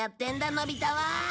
のび太は。